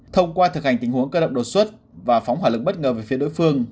thông qua thực hành tình huống cơ động đột xuất và phóng hỏa lực bất ngờ về phía đối phương